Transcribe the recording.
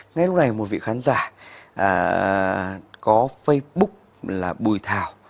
ngay lúc này một vị khán giả có facebook là bùi thảo